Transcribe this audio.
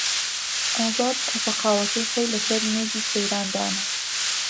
ئازاد کووپە قاوەکەی خۆی لەسەر مێزی سەیران دانا.